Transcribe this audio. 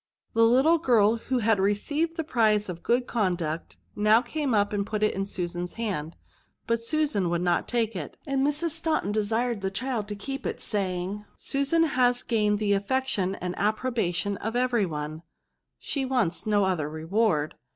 The little girl who had received the prize of good conduct now came up and put it into Susan's hand, but Susan would not take it, and Mrs. Staunton desired the child to keep it ^ saying, '^ Susan has gained the affection and approbation of every one ; she wants no other reward."